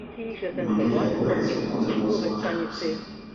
mandela alikuwa raisi wa kwanza mweusi wa afrika kusini